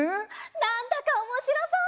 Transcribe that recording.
なんだかおもしろそう！